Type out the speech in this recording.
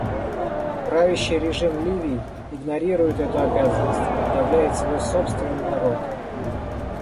Правящий режим Ливии игнорирует эту обязанность и подавляет свой собственный народ.